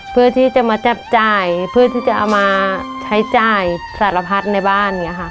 เพื่อที่จะมาจับจ่ายเพื่อที่จะเอามาใช้จ่ายสารพัดในบ้าน